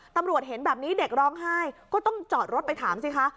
ตำรวจเห็นแบบนี้เด็กร้องไห้ก็ต้องจอดรถไปถามสิคะ